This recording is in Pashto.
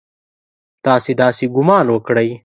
تاسې داسې ګومان وکړئ!